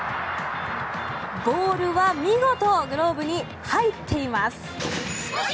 ボールは見事、グローブに入っています。